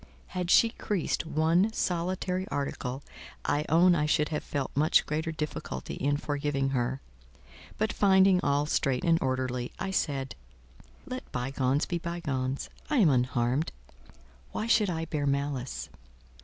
Had she creased one solitary article, I own I should have felt much greater difficulty in forgiving her; but finding all straight and orderly, I said, "Let bygones be bygones. I am unharmed: why should I bear malice?"